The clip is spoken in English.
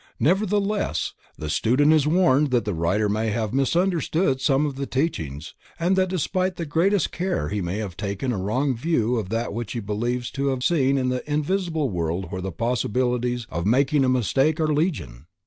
Nevertheless, the student is warned that the writer may have misunderstood some of the teachings and that despite the greatest care he may have taken a wrong view of that which he believes to have seen in the invisible world where the possibilities of making a mistake are legion.